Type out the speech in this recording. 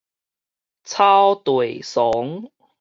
草地倯